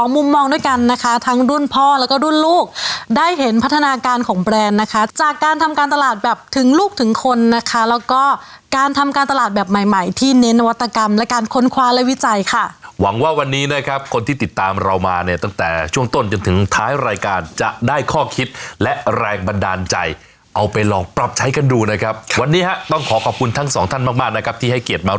มุมมองด้วยกันนะคะทั้งรุ่นพ่อแล้วก็รุ่นลูกได้เห็นพัฒนาการของแบรนด์นะคะจากการทำการตลาดแบบถึงลูกถึงคนนะคะแล้วก็การทำการตลาดแบบใหม่ที่เน้นนวัตกรรมและการค้นควายและวิจัยค่ะหวังว่าวันนี้นะครับคนที่ติดตามเรามาเนี่ยตั้งแต่ช่วงต้นจนถึงท้ายรายการจะได้ข้อคิดและแรงบันดาลใจเอาไปลองปรับใช้กั